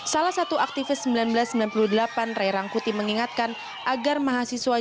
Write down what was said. salah satu aktivis seribu sembilan ratus sembilan puluh delapan ray rangkuti mengingatkan agar mahasiswa